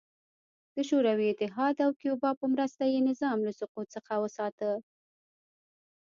د شوروي اتحاد او کیوبا په مرسته یې نظام له سقوط څخه وساته.